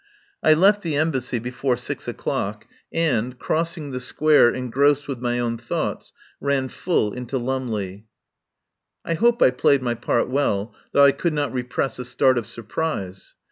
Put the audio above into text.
I left the Embassy before six o'clock and, 107 THE POWER HOUSE crossing the Square engrossed with my own thoughts, ran full into Lumley. I hope I played my part well, though I could not repress a start of surprise.